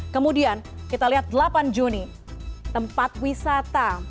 kemudian kita lihat delapan juni tempat wisata